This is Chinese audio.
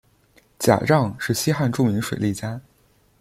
贾让是西汉著名水利家。